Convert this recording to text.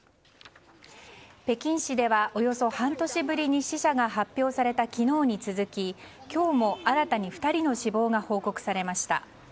北京市ではおよそ半年ぶりに死者が発表された昨日に続き、今日も新たに２人の死亡が報告されました。